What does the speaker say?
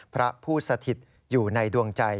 พระผู้สถิตอยู่ในดวงใจ